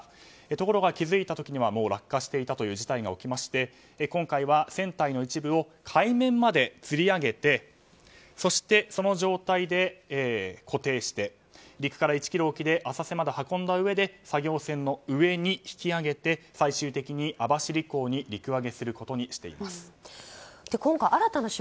ところが気付いたときにはもう落下していたという事態が起きまして、今回は船体の一部を海面までつり上げてそして、その状態で固定して陸から１ｋｍ沖で浅瀬まで運んだうえで作業船の上に引き揚げて最終的に網走港に陸揚げすることにしています。